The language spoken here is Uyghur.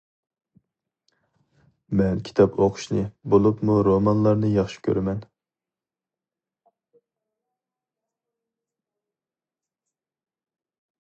مەن كىتاب ئوقۇشنى، بولۇپمۇ رومانلارنى ياخشى كۆرىمەن.